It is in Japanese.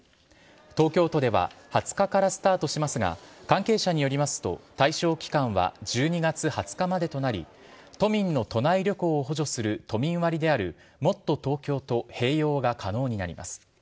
東京都では２０日からスタートしますが関係者によりますと対象期間は１２月２０日までとなり都民の都内旅行を補助する都民割であるもっとＴＯＫＹＯと併用が可能になります。